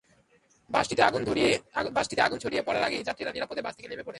বাসটিতে আগুন ছড়িয়ে পড়ার আগেই যাত্রীরা নিরাপদে বাস থেকে নেমে পড়ে।